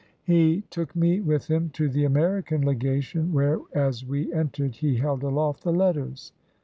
He took me with him to the American Legation, where as we entered he held aloft the letters.